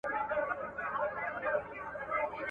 شيطاني پاڼي يې كړلې لاندي باندي ,